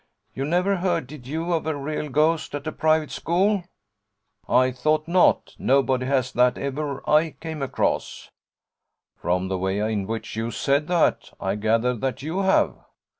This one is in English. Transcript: You never heard, did you, of a real ghost at a private school? I thought not; nobody has that ever I came across.' 'From the way in which you said that, I gather that you have.'